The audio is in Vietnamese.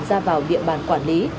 ra vào địa bàn quản lý